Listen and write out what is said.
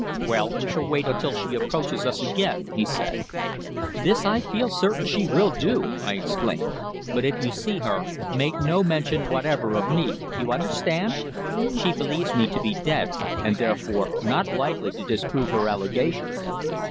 "Well, we shall wait until she approaches us again," he said. "This I feel certain she will do," I exclaimed. "But if you see her, make no mention whatever of me you understand? She believes me to be dead, and therefore not likely to disprove her allegations."